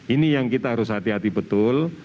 ini yang kita harus hati hati betul